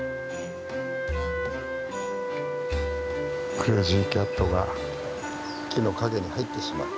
クレージーキャットが木の陰に入ってしまった。